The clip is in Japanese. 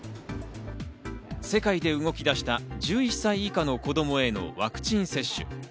世界で動き出した１１歳以下の子供へのワクチン接種。